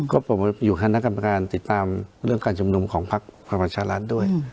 ก็ผมอยู่คณะกรรมการติดตามเรื่องการจำนวมของภาคประมาชาลันทร์ด้วย